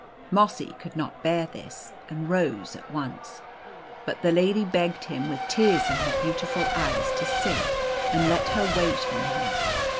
Mossy could not bear this, and rose at once. But the lady begged him, with tears in her beautiful eyes, to sit, and let her \vait on him.